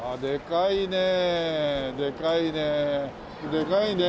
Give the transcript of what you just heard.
でかいね。